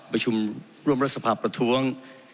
ประชุมร่วมรัฐสภาพประท้วง